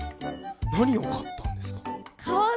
何を買ったんですか？